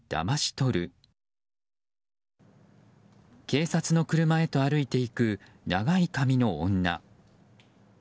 警察の車へと歩いていく長い髪の女。